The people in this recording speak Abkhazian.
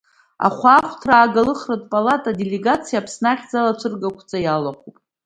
Ахәаахәҭра-Ааглыхратә Палата аделегациа Аԥсны ахьӡала ацәыргақәҵа иалахәп.